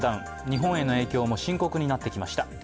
日本への影響も深刻になってきました。